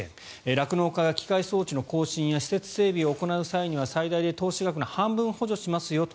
酪農家が機械装置の更新や施設整備を行う際には最大で投資額の半分を補助しますよと。